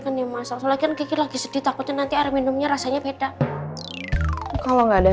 kan yang masalahnya lagi sedih takutnya minumnya rasanya beda kalau nggak ada